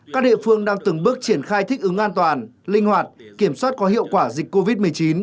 các địa phương đang từng bước triển khai thích ứng an toàn linh hoạt kiểm soát có hiệu quả dịch covid một mươi chín